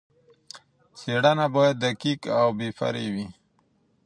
څېړنه باید دقیق او بې پرې وي.